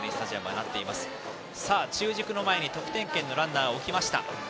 中軸の前に得点圏にランナーを置きました。